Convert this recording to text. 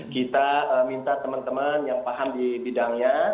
kita minta teman teman yang paham di bidangnya